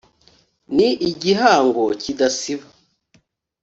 ni igihango kidasiba.